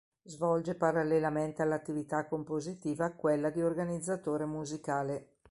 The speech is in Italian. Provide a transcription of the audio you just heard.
Svolge parallelamente all'attività compositiva quella di organizzatore musicale.